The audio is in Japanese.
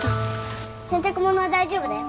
洗濯物は大丈夫だよ。